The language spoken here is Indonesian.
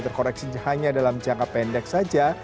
terkoreksi hanya dalam jangka pendek saja